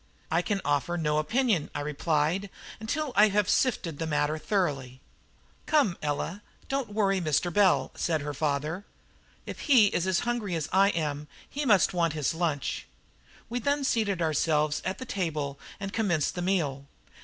"I can offer no opinion," I replied, "until I have sifted the matter thoroughly." "Come, Ella, don't worry Mr. Bell," said her father; "if he is as hungry as I am, he must want his lunch." We then seated ourselves at the table and commenced the meal.